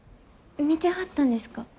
見てはったんですか？